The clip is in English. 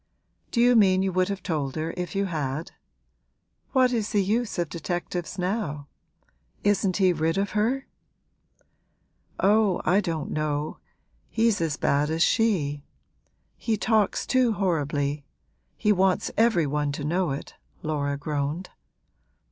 'Do you mean you would have told her if you had? What is the use of detectives now? Isn't he rid of her?' 'Oh, I don't know, he's as bad as she; he talks too horribly he wants every one to know it,' Laura groaned.